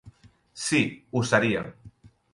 Sí, ho seria.